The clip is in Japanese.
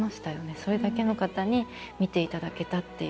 それだけの方に見ていただけたっていう。